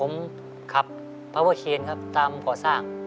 ผมขับพลังกายเต็มความเพลินครับตามขอสร้าง